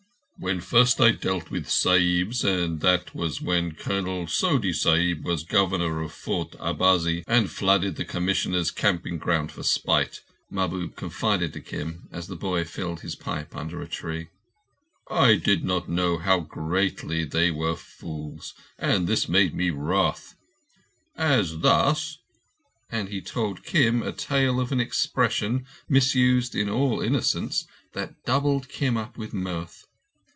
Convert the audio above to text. "When first I dealt with Sahibs, and that was when Colonel Soady Sahib was Governor of Fort Abazai and flooded the Commissioner's camping ground for spite," Mahbub confided to Kim as the boy filled his pipe under a tree, "I did not know how greatly they were fools, and this made me wroth. As thus—," and he told Kim a tale of an expression, misused in all innocence, that doubled Kim up with mirth.